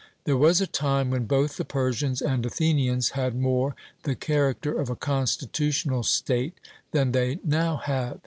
There was a time when both the Persians and Athenians had more the character of a constitutional state than they now have.